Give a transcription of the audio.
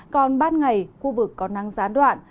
còn ban ngày khu vực có năng gián đoạn